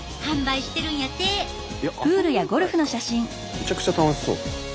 めちゃくちゃ楽しそう。